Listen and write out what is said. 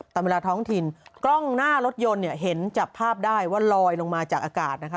ตามเวลาท้องถิ่นกล้องหน้ารถยนต์เนี่ยเห็นจับภาพได้ว่าลอยลงมาจากอากาศนะคะ